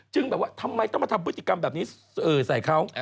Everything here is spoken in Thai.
แบบว่าทำไมต้องมาทำพฤติกรรมแบบนี้ใส่เขา